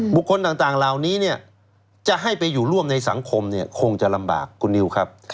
บุคคลต่างเหล่านี้จะให้ไปอยู่ร่วมในสังคมคงจะลำบากคุณนิวครับ